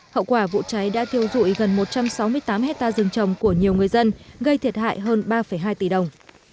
hậu quả vụ cháy đã thiêu dụi gần một trăm sáu mươi tám hectare rừng trồng của nhiều người dân gây thiệt hại hơn ba hai tỷ đồng